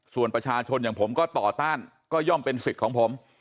ส่วนประชาชนอย่างผมก็ต่อต้านก็ย่อมเป็นสิทธิ์ของผม